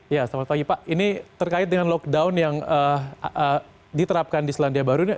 ya selamat pagi pak ini terkait dengan lockdown yang diterapkan di selandia baru